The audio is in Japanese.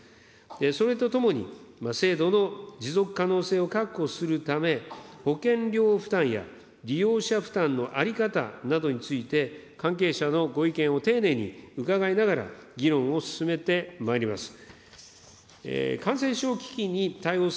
それとともに、制度の持続可能性を確保するため、保険料負担や利用者負担の在り方などについて、関係者のご意見を丁寧に伺いながら、議論を進めてまいります。